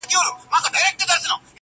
o قاضي و ویله غوږ نیسی دوستانو,